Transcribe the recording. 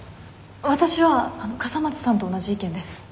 わたしは笠松さんと同じ意見です。